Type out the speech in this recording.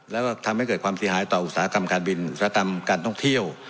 แล้วก็ทำให้เกิดความเสียหายต่ออุตสาหกรรมการบินอุตสาหกรรมการท่องเที่ยว